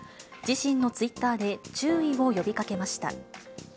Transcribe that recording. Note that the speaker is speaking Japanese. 自身のツイッターで、注意を呼びかけました。